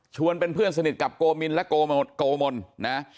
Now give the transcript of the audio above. เป็นเพื่อนสนิทกับโกมินและโกมนนะ